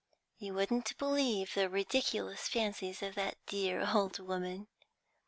You wouldn't believe the ridiculous fancies of that dear old woman!